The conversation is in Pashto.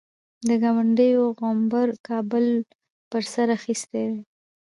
د کاندیدانو غومبر کابل پر سر اخیستی دی.